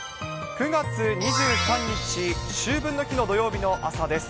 ９月２３日、秋分の日の土曜日の朝です。